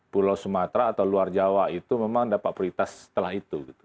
pulau sumatera atau luar jawa itu memang dapat prioritas setelah itu